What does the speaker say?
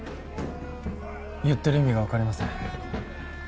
言ってる意味が分かりません。